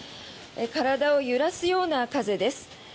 体を揺らすような風です。